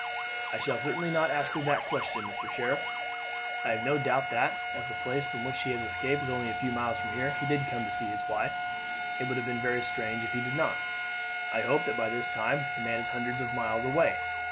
"I shall certainly not ask her that question, Mr. Sheriff. I have no doubt that, as the place from which he has escaped is only a few miles from here, he did come to see his wife. It would have been very strange if he did not. I hope that by this time the man is hundreds of miles away.